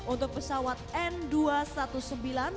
untuk pesawat n dua ratus sembilan belas